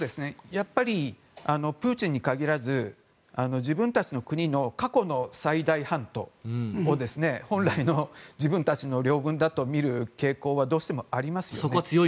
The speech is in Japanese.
やっぱりプーチンに限らず自分たちの国の過去の最大を本来の自分たちの領土だとみる傾向がありますよね。